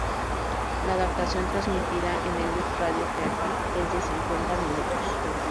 La adaptación transmitida en el "Lux Radio Theatre" es de cincuenta minutos.